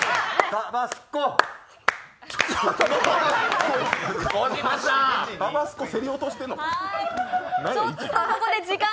タバスコ、競り落としてるのか。